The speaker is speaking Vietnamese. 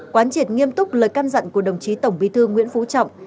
quán triệt nghiêm túc lời can dặn của đồng chí tổng bí thư nguyễn phú trọng